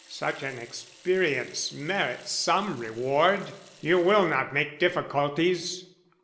Such an experience merits some reward. You will not make difficulties?"